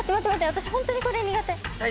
私ホントにこれ苦手。